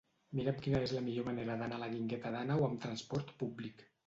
Mira'm quina és la millor manera d'anar a la Guingueta d'Àneu amb trasport públic.